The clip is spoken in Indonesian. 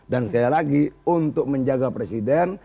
dan sekali lagi untuk menjaga presiden